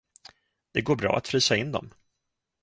Det går bra att frysa in dem.